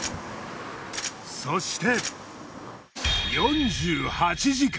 そして。